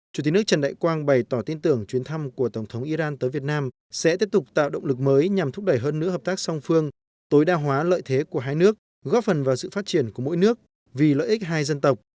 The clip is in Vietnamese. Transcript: chủ tịch nước trần đại quang bày tỏ tin tưởng chuyến thăm của tổng thống iran tới việt nam sẽ tiếp tục tạo động lực mới nhằm thúc đẩy hơn nữa hợp tác song phương tối đa hóa lợi thế của hai nước góp phần vào sự phát triển của mỗi nước vì lợi ích hai dân tộc